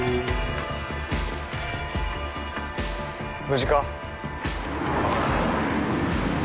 無事か？